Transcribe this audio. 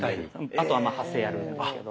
あとはまあ発声やるんですけど。